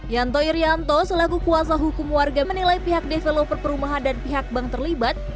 yanto irianto selaku kuasa hukum warga menilai pihak developer perumahan dan pihak bank terlibat